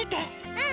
うん！